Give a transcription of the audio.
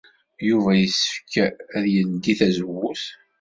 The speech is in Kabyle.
Yuba yessefk ad yeldey tazewwut?